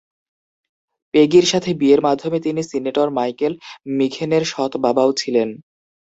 পেগির সাথে বিয়ের মাধ্যমে তিনি সিনেটর মাইকেল মিঘেনের সৎবাবাও ছিলেন।